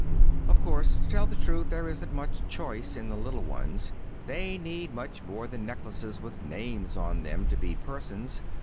Of course, to tell the truth, there isn't much choice in the little ones. They need much more than necklaces with names on them to be persons.